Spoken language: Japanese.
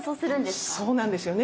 そうなんですよね。